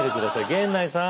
源内さん。